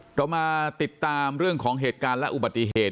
เรามาติดตามเรื่องของเหตุการณ์และอุบัติเหตุ